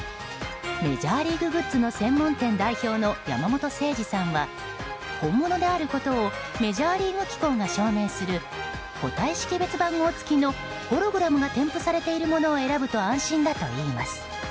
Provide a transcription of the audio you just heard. メジャーリーググッズの専門店代表の山本清司さんは本物であることをメジャーリーグ機構が証明する個体識別番号付きのホログラムが添付されているものを選ぶと安心だといいます。